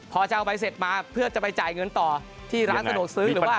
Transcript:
พอจะเอาใบเสร็จมาเพื่อจะไปจ่ายเงินต่อที่ร้านสะดวกซื้อหรือว่า